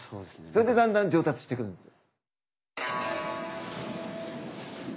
それでだんだん上達してくるんです。